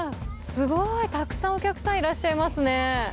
すごい、たくさんお客さんいらっしゃいますね。